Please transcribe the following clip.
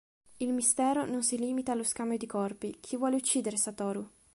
Il mistero non si limita allo scambio di corpi: chi vuole uccidere Satoru?